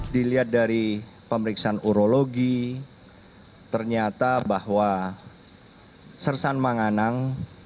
dilihat dari pemeriksaan urologi ternyata bahwa sersan manganang